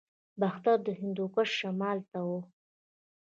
باختر د هندوکش شمال ته و